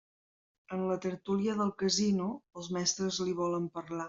En la tertúlia del casino els mestres li volen parlar.